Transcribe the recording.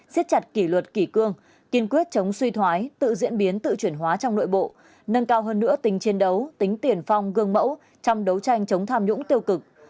xiết chặt kỷ luật kỷ cương kiên quyết chống suy thoái tự diễn biến tự chuyển hóa trong nội bộ nâng cao hơn nữa tính chiến đấu tính tiền phong gương mẫu trong đấu tranh chống tham nhũng tiêu cực